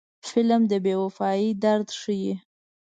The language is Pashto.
فلم د بې وفایۍ درد ښيي